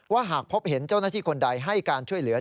หากพบเห็นเจ้าหน้าที่คนใดให้การช่วยเหลือ